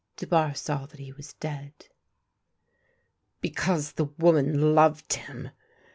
Dubarre saw that he was dead. " Because the woman loved him